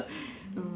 うん。